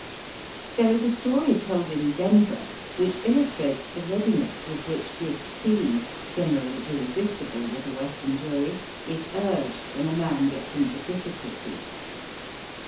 There is a story told in Denver which illustrates the readiness with which this plea, generally irresistible with a Western jury, is urged when a man gets into difficulties.